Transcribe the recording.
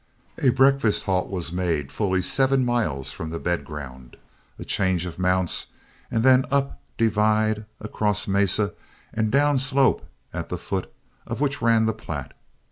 A breakfast halt was made fully seven miles from the bed ground, a change of mounts, and then up divide, across mesa, and down slope at the foot of which ran the Platte.